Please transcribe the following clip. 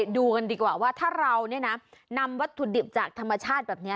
ดูกันดีกว่าว่าถ้าเรานำวัตถุดิบจากธรรมชาติแบบนี้